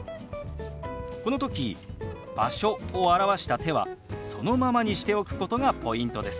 この時「場所」を表した手はそのままにしておくことがポイントです。